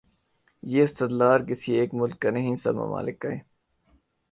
یہ استدلال کسی ایک ملک کا نہیں، سب ممالک کا ہے۔